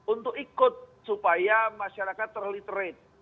untuk ikut supaya masyarakat terliterate